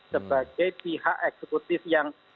sebagai pihak eksekutif yang